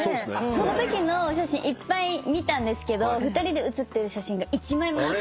そのときの写真いっぱい見たんですけど２人で写ってる写真が一枚もなくって。